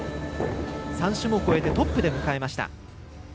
３種目終えてトップで迎えました。